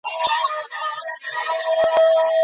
তুই অনেক স্মার্ট না রে?